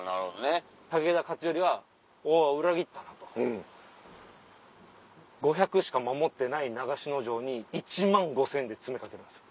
武田勝頼は「裏切ったな」と。５００しか守ってない長篠城に１万５０００で詰め掛けるんですよ。